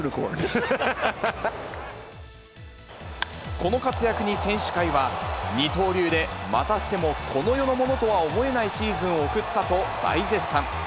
この活躍に選手会は、二刀流でまたしてもこの世のものとは思えないシーズンを送ったと大絶賛。